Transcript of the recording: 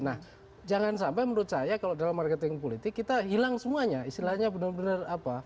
nah jangan sampai menurut saya kalau dalam marketing politik kita hilang semuanya istilahnya benar benar apa